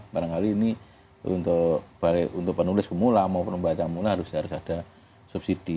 padahal ini untuk penulis pemula maupun pembaca pemula harus ada subsidi